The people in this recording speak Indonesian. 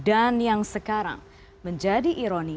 dan yang sekarang menjadi ironi